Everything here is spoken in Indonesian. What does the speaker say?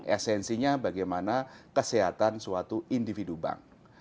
esensinya bagaimana kesehatan suatu individu bank